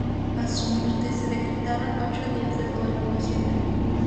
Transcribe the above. A su muerte se decretaron ocho días de Duelo Nacional.